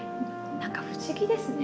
何か不思議ですね。